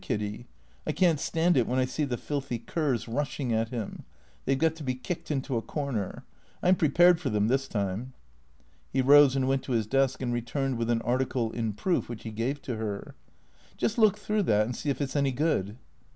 Kiddy. I can't stand it when I see the filthy curs rushing at him. They 've got to be kicked into a cor ner. I 'm prepared for them, this time." He rose and went to his desk and returned with an article in proof which he gave to her. " Just look through that and see if it 's any good."